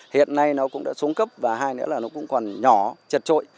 hiện nay nó cũng đã xuống cấp và hai nữa là nó cũng còn nhỏ chật trội